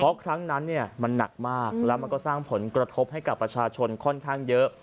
เพราะครั้งนั้นมันหนักมากแล้วมันก็สร้างผลกระทบให้กับประชาชนค่อนข้างเยอะ